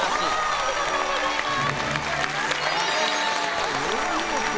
ありがとうございます。